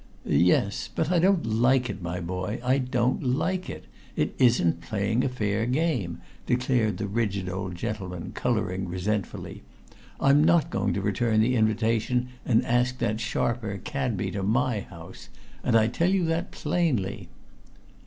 "Yes. But I don't like it, my boy, I don't like it! It isn't playing a fair game," declared the rigid old gentleman, coloring resentfully. "I'm not going to return the invitation and ask that sharper, Cadby, to my house and I tell you that plainly."